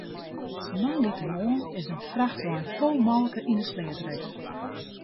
Moandeitemoarn is in frachtwein fol molke yn 'e sleat rekke.